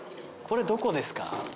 これどこですか？